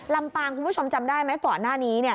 ลำปางคุณผู้ชมจำได้ไหมก่อนหน้านี้เนี่ย